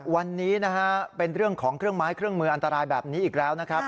วันนี้นะฮะเป็นเรื่องของเครื่องไม้เครื่องมืออันตรายแบบนี้อีกแล้วนะครับ